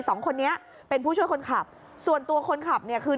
สองคนนี้เป็นผู้ช่วยคนขับส่วนตัวคนขับเนี่ยคือ